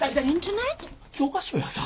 教科書やさ。